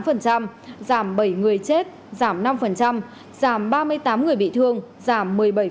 giảm bảy người chết giảm năm giảm ba mươi tám người bị thương giảm một mươi bảy